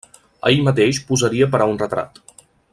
Ell mateix posaria per a un retrat.